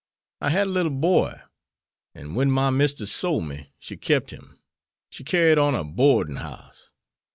I had a little boy, an' wen my mistus sole me she kep' him. She carried on a boardin' house.